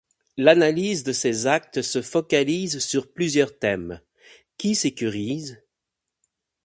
L'analyse de ces actes se focalise sur plusieurs thèmes: qui sécurise?